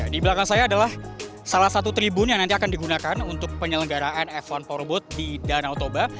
di belakang saya adalah salah satu tribun yang nanti akan digunakan untuk penyelenggaraan f satu powerboat di danau toba